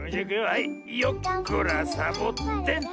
はいよっこらサボテンと。